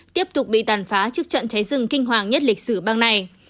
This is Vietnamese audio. tiếp tục bị tàn phá trước trận cháy rừng kinh hoàng nhất lịch sử bang này